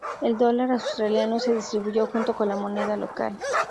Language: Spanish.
El dólar australiano se distribuyó junto con la moneda local.